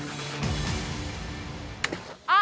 あ。